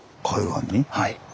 はい。